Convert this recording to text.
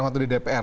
waktu di dpr